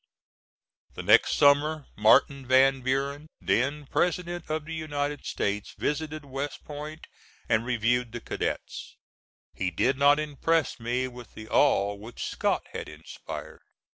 The next summer Martin Van Buren, then President of the United States, visited West Point and reviewed the cadets; he did not impress me with the awe which Scott had inspired.